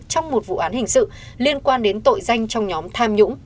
trong một vụ án hình sự liên quan đến tội danh trong nhóm tham nhũng